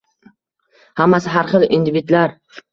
Hammasi har xil individlar.